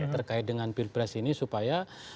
terkait dengan pilpres ini supaya kita bisa berhati hati ya